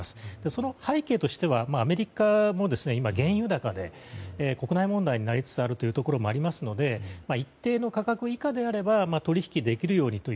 その背景としてはアメリカも原油高で国内問題になりつつあるというところもあるので一定の価格以下であれば取引できるようにと。